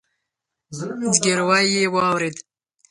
ځګيروی يې واورېد.